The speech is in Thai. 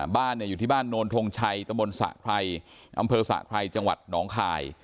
บ้านอยู่ที่บ้านโนนทงชัยตะบนสะไพรอำเภอสะไพรจังหวัดหนองคาย